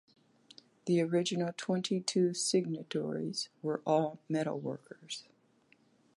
The original twenty two signatories were all metalworkers.